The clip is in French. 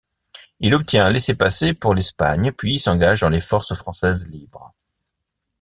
Il obtient un laissez-passer pour l'Espagne puis s'engage dans les Forces françaises libres.